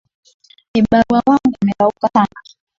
Vibarua wangu wamerauka sana